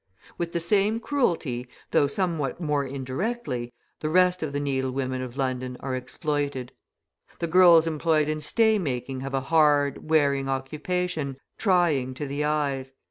With the same cruelty, though somewhat more indirectly, the rest of the needle women of London are exploited. The girls employed in stay making have a hard, wearing occupation, trying to the eyes.